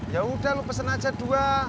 yaudah lo pesen aja dua